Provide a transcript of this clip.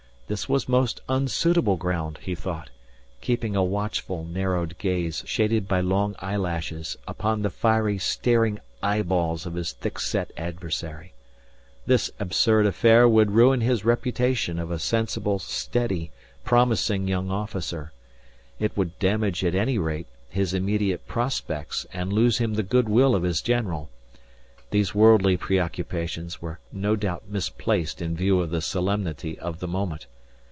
This was most unsuitable ground, he thought, keeping a watchful, narrowed gaze shaded by long eyelashes upon the fiery staring eyeballs of his thick set adversary. This absurd affair would ruin his reputation of a sensible, steady, promising young officer. It would damage, at any rate, his immediate prospects and lose him the good will of his general. These worldly preoccupations were no doubt misplaced in view of the solemnity of the moment.